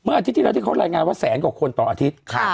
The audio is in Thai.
เมื่ออาทิตย์ที่เราได้เข้ารายงานว่าแสนกว่าคนต่ออาทิตย์ค่ะ